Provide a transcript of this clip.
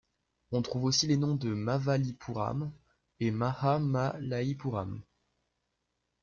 On trouve aussi les noms de Mavalipuram et Mahamalaipuram.